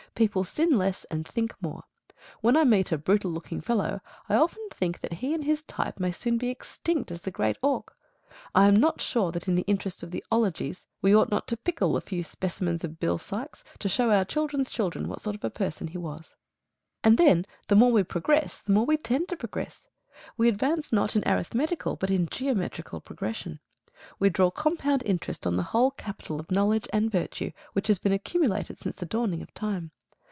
People sin less and think more. When I meet a brutal looking fellow I often think that he and his type may soon be as extinct as the great auk. I am not sure that in the interest of the 'ologies we ought not to pickle a few specimens of Bill Sykes, to show our children's children what sort of a person he was. And then the more we progress the more we tend to progress. We advance not in arithmetical but in geometrical progression. We draw compound interest on the whole capital of knowledge and virtue which has been accumulated since the dawning of time.